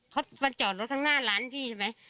เขามาจอดรถข้างหน้าร้านพี่ใช่ไหม